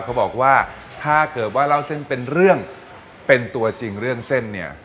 เขาบอกว่าถ้าเกิดว่าเล่าเส้นเป็นเรื่องเป็นตัวจริงเรื่องเส้นเนี่ย